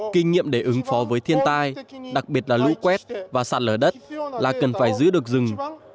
kinh nghiệm để ứng phó với thiên tai đặc biệt là lũ quét và sạt lở đất là cần phải giữ được rừng